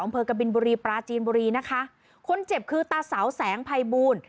อำเภอกบินบุรีปลาจีนบุรีนะคะคนเจ็บคือตาเสาแสงภัยบูล